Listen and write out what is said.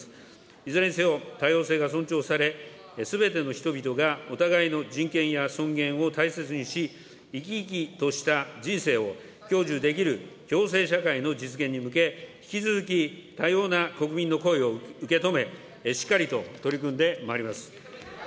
いずれにせよ、多様性が尊重され、すべての人々がお互いの人権や尊厳を大切にし、生き生きとした人生を享受できる共生社会の実現に向け、引き続き多様な国民の声を受け止め、しっかりと取り組んでまいります。